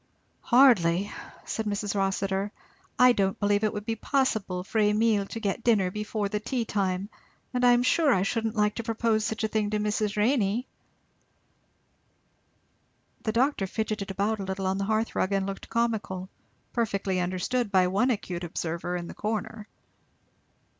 "Hardly," said Mrs. Rossitur. "I don't believe it would be possible for Emile to get dinner before the tea time; and I am sure I shouldn't like to propose such a thing to Mrs. Renney." The doctor fidgeted about a little on the hearth rug and looked comical, perfectly understood by one acute observer in the corner.